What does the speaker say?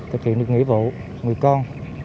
thực hiện được nghĩa vụ người con